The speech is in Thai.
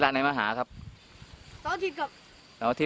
มีขวัญเร็วขึ้นขอบคุณที่